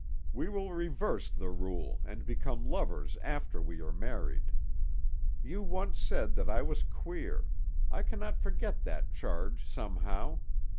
We will reverse the rule, and become lovers after we are married. You once said that I was queer; I cannot forget that charge, somehow.